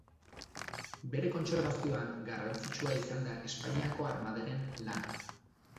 Bere kontserbazioan, garrantzitsua izan da Espainiako Armadaren lana.